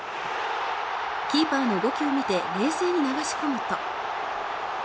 キーパーの動きを見て冷静に流し込むと。